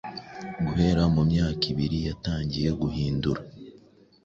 Guhera mu myaka ibiri yatangiye guhindura